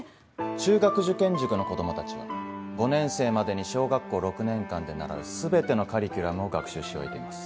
中学受験塾の子供たちは５年生までに小学校６年間で習う全てのカリキュラムを学習し終えています。